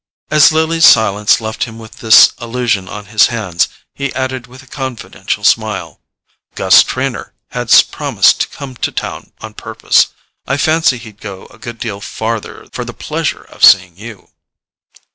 As Lily's silence left him with this allusion on his hands, he added with a confidential smile: "Gus Trenor has promised to come to town on purpose. I fancy he'd go a good deal farther for the pleasure of seeing you."